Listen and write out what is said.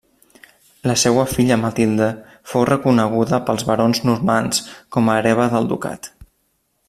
La seua filla Matilde fou reconeguda pels barons normands com a hereva del ducat.